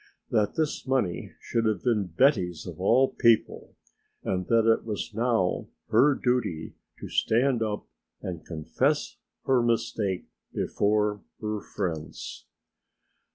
That this money should have been Betty's of all people, and that it was now her duty to stand up and confess her mistake before her friends.